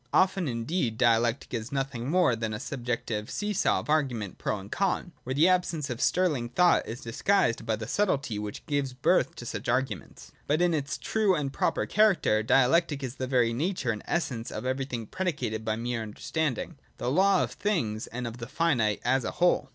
Often, indeed, Dialectic is nothing more than a subjective see saw of arguments pro and con, where the absence of sterling thought is disguised by the subtlety which gives birth to such arguments. But in its true and proper character, Dialectic is the very nature and essence of everything predicated by mere understanding, — the law of things and of the finite as a whole.